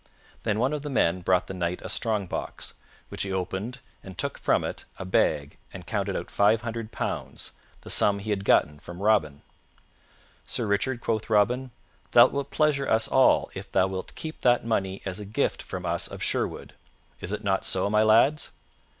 Then one of the men brought the Knight a strongbox, which he opened and took from it a bag and counted out five hundred pounds, the sum he had gotten from Robin. "Sir Richard," quoth Robin, "thou wilt pleasure us all if thou wilt keep that money as a gift from us of Sherwood. Is it not so, my lads?"